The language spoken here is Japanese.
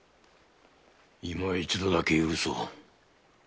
今一度だけ許そう。